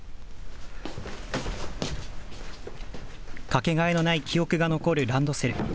掛けがえのない記憶が残るランドセル。